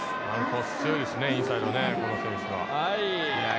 強いですね、インサイド、この選手はね。